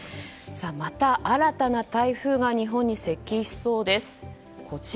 また新たな台風が日本に接近しそうです。